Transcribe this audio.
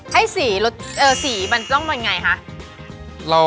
ให้สีมันจะต้องเป็นยังไงฮะ